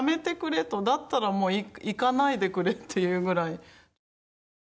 だったら行かないでくれっていうぐらい。